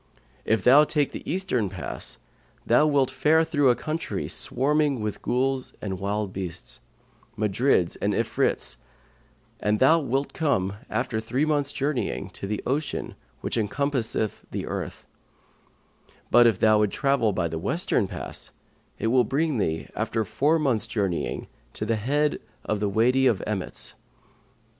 If thou take the eastern pass, thou wilt fare through a country swarming with Ghuls and wild beasts, Marids and Ifrits, and thou wilt come, after three months' journeying, to the ocean which encompasseth the earth; but, if thou travel by the western pass, it will bring thee, after four months' journeying, to the head of the Wady of Emmets.